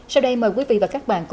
sau đây mời quý vị và các bạn